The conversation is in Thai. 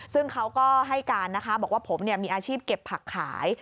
ซึ่งเขาก็ให้การนะคะบอกว่าผมมีอาชีพเก็บผักขาย